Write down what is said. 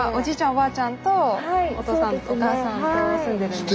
おばあちゃんとお父さんお母さんと住んでるんですね。